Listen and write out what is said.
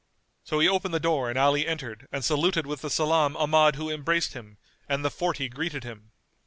So he opened the door and Ali entered and saluted with the salam Ahmad who embraced him, and the Forty greeted him.